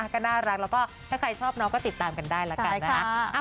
ก็น่ารักแล้วก็ถ้าใครชอบน้องก็ติดตามกันได้แล้วกันนะคะ